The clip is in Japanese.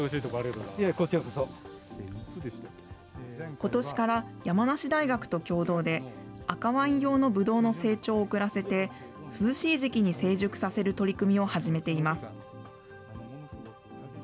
ことしから、山梨大学と共同で、赤ワイン用のぶどうの成長を遅らせて、涼しい時期に成熟させる取り組みを始めています。